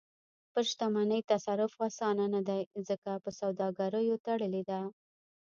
پر شتمنۍ تصرف اسانه نه دی، ځکه په سوداګریو تړلې ده.